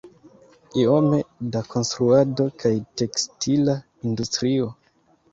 Iome da konstruado kaj tekstila industrio.